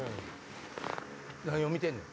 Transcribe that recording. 何を見てんねん？